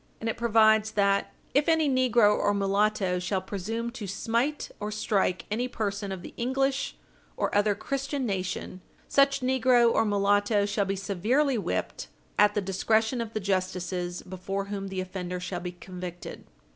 and it provides, that "if any negro or mulatto shall presume to smite or strike any person of the English or other Christian nation, such negro or mulatto shall be severely whipped, at Page 60 U. S. 409 the discretion of the justices before whom the offender shall be convicted."